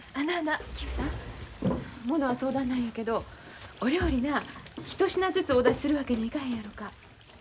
なあなあキクさんものは相談なんやけどお料理な一品ずつお出しするわけにいかへんやろか。